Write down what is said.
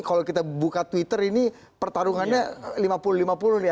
kalau kita buka twitter ini pertarungannya lima puluh lima puluh nih